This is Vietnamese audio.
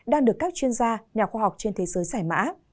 đang được các chuyên gia nhà khoa học trên thế giới giải mã